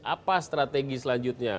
apa strategi selanjutnya